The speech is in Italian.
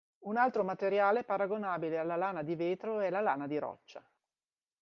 Un altro materiale paragonabile alla lana di vetro è la lana di roccia.